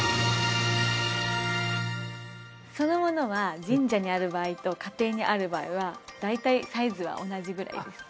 そのものは神社にある場合と家庭にある場合は大体サイズは同じぐらいですか？